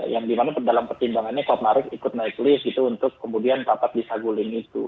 yang dimana dalam pertimbangannya kuat maruf ikut naik list gitu untuk kemudian dapat di saguling itu